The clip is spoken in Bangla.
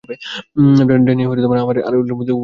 ড্যানি, এটা আমার আর উইলের মধ্যকার ব্যাপার।